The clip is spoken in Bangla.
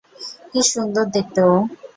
কী সুন্দর দেখতে ও!